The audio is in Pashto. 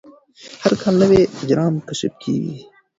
هر کال نوي اجرام کشف کېږي.